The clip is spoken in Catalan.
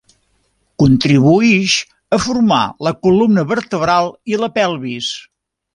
Contribuïx a formar la columna vertebral i la pelvis.